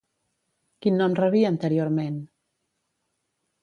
Quin nom rebia anteriorment?